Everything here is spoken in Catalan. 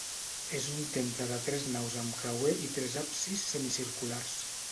És un temple de tres naus amb creuer i tres absis semicirculars.